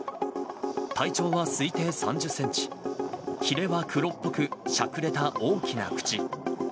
体長は推定３０センチ、ひれは黒っぽく、しゃくれた大きな口。